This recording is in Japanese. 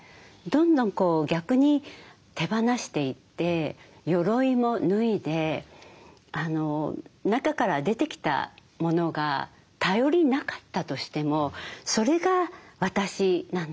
どんどんこう逆に手放していってよろいも脱いで中から出てきたものが頼りなかったとしてもそれが私なんだからっていう。